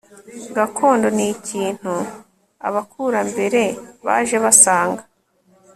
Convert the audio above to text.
gakondo n'ikintu abakurambere baje basanga